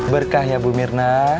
berkah ya bu mirna